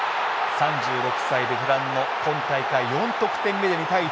３６歳ベテランの今大会４得点目で２対１